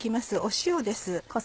塩です。